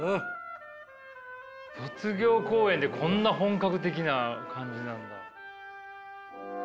卒業公演でこんな本格的な感じなんだ。